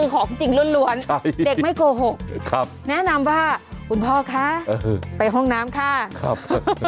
ของจริงล้วนเด็กไม่โกหกแนะนำว่าคุณพ่อคะไปห้องน้ำค่ะ